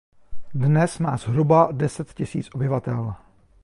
Dnes má zhruba deset tisíc obyvatel.